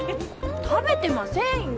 食べてませんよ。